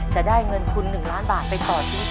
จะได้เงินทุน๑ล้านบาทไปต่อชีวิต